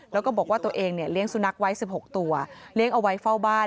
แล้วก็บอกว่าตัวเองเนี่ยเลี้ยงสุนัขไว้๑๖ตัวเลี้ยงเอาไว้เฝ้าบ้าน